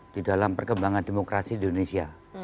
di dalam perkembangan demokrasi di indonesia